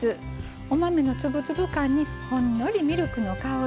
お豆の粒々感にほんのりミルクの香り。